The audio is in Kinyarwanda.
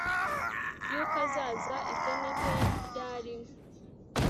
Yuko azaza i Denver ryari